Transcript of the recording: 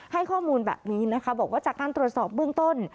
ให้ข้อมูลแบบนี้นะคะบอกว่าจากการตรวจสอบเบื้องต้น